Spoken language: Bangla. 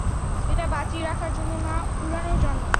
এটা বাঁচিয়ে রাখার জন্য না, উড়ানোর জন্য!